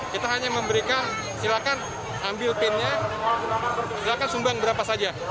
kita hanya memberikan silakan ambil pinnya silakan sumbang berapa saja